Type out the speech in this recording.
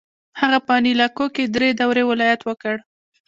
هغه په انیلاکو کې درې دورې ولایت وکړ.